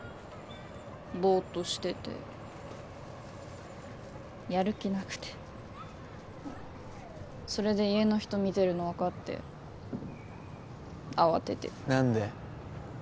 ボーッとしててやる気なくてそれで家の人見てるの分かって慌てて何で？